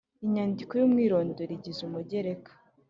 Inyandiko y umwirondoro igize umugereka